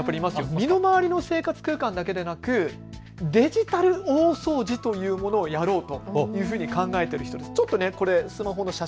身の回りの生活空間だけでなくデジタル大掃除というものをやろうというふうに考えている人たちもいます。